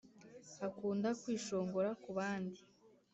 akunda kwishongora kubandi,